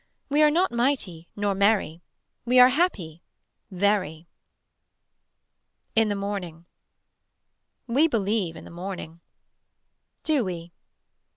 We are not mighty Nor merry. We are happy. Very. In the morning. We believe in the morning Do we.